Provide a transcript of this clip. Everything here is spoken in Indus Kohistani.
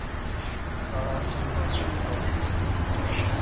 آں سو می نی اؤن٘ݜی تُھو۔